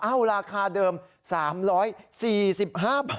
เอ้าราคาเดิม๓๔๕๐๐๐บาท